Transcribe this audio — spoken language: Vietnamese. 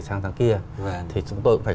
sang tháng kia thì chúng tôi cũng phải